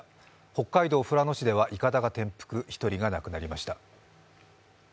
北海道富良野市ではいかだが転覆、１人が亡くなりました。